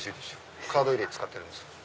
カード入れに使ってるんですよ。